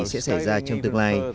sẽ xảy ra trong tương lai